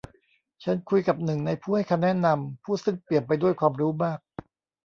ฉันคุยกับหนึ่งในผู้ให้คำแนะนำ ผู้ซึ่งเปี่ยมไปด้วยความรู้มาก